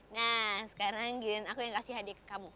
nah sekarang giliran aku yang kasih hadiah ke kamu